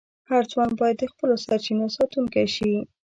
هر ځوان باید د خپلو سرچینو ساتونکی شي.